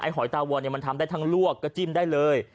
ไอ้หอยตาวัวเนี่ยมันทำได้ทั้งลวกก็จิ้มได้เลย